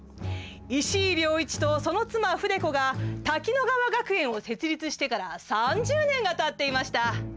石井亮一とその妻・筆子が滝乃川学園を設立してから３０年が経っていました。